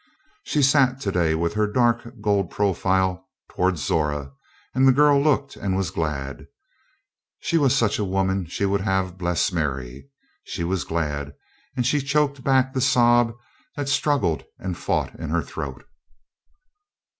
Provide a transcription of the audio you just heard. She sat today with her dark gold profile toward Zora, and the girl looked and was glad. She was such a woman she would have Bles marry. She was glad, and she choked back the sob that struggled and fought in her throat.